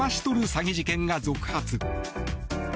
詐欺事件が続発。